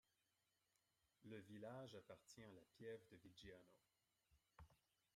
Le village appartient à la piève de Viggiano.